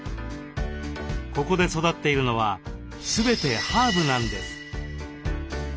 ここで育っているのは全てハーブなんです。